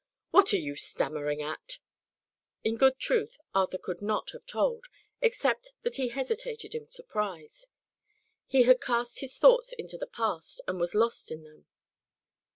"What are you stammering at?" In good truth, Arthur could not have told, except that he hesitated in surprise. He had cast his thoughts into the past, and was lost in them.